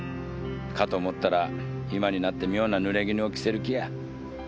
かと思ったら今になって妙なぬれぎぬを着せる気や。